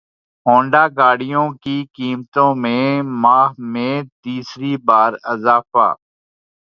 Honda گاڑیوں کی قیمتوں میں ماہ میں تیسری بار اضافہ